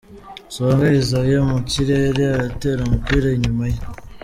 Songa Isaie mukirere atera umupira inyuma ye .